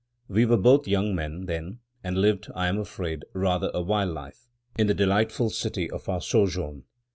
We were both young men then, and lived, I am afraid, rather a wild life, in the delightful city of our sojourn.